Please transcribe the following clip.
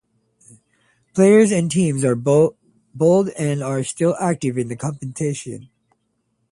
Players and teams in bold are still active in the competition.